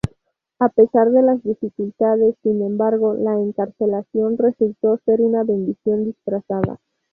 A pesar de las dificultades, sin embargo, la encarcelación resultó ser una bendición disfrazada.